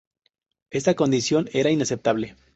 Esta condición era inaceptable.